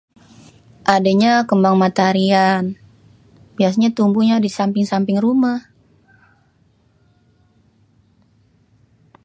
Adênya kembang mataharian, biasanyê tumbuhnya di samping-samping rumêh.